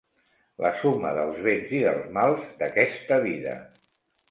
La suma dels béns i dels mals d'aquesta vida.